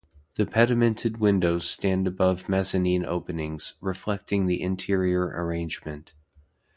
The pedimented windows stand above mezzanine openings, reflecting the interior arrangement.